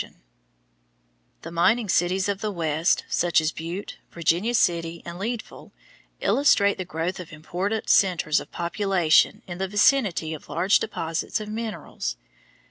BUTTE, MONTANA A city of smelters] The mining cities of the West, such as Butte, Virginia City, and Leadville, illustrate the growth of important centres of population in the vicinity of large deposits of minerals.